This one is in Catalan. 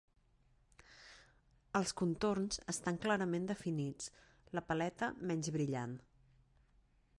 Els contorns estan clarament definits, la paleta menys brillant.